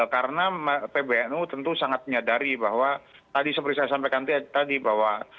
karena pbnu tentu sangat menyadari bahwa tadi seperti saya sampaikan tadi bahwa